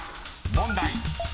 ［問題］